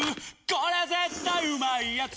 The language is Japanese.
これ絶対うまいやつ」